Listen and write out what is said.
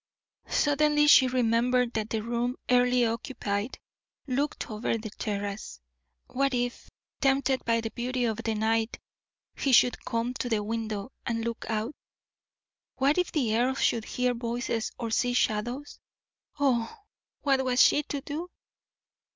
Suddenly she remembered that the room Earle occupied looked over the terrace. What if, tempted by the beauty of the night, he should come to the window, and look out? What if the earl should hear voices or see shadows? Oh, what was she to do?